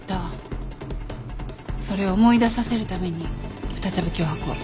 それを思い出させるために再び脅迫を。